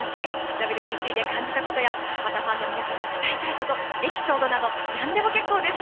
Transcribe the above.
ＷＢＣで感じたことやファンの皆さんに伝えたいことエピソードなど、何でも結構です。